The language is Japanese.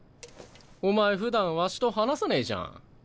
お前ふだんわしと話さねえじゃん。